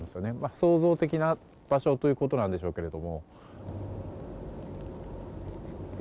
想像的な場所ということなんでしょうけれども。